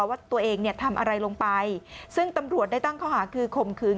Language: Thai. ว่าตัวเองเนี่ยทำอะไรลงไปซึ่งตำรวจได้ตั้งข้อหาคือข่มขืน